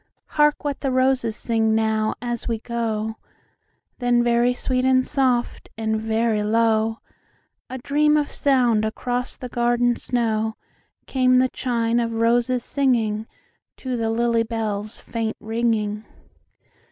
"Hark what the roses sing now, as we go;"Then very sweet and soft, and very low,—A dream of sound across the garden snow,—Came the chime of roses singingTo the lily bell's faint ringing.